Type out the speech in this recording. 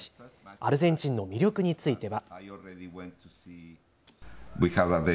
アルゼンチンの魅力については。